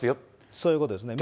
そういうことですね。